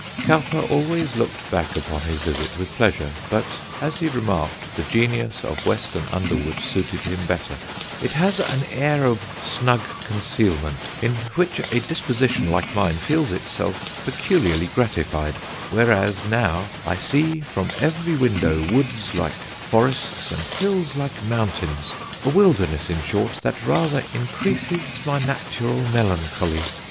_] Cowper always looked back upon his visit with pleasure, but, as he remarked, the genius of Weston Underwood suited him better "It has an air of snug concealment in which a disposition like mine feels itself peculiarly gratified; whereas now I see from every window woods like forests and hills like mountains a wilderness, in short, that rather increases my natural melancholy....